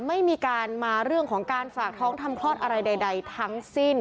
ไม่มีการมาเรื่องของการฝากท้องทำคลอดอะไรใดทั้งสิ้น